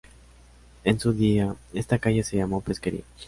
En su día, esta calle se llamó pesquería.